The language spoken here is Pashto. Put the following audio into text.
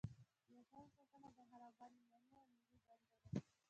د وطن ساتنه د هر افغان ایماني او ملي دنده ده.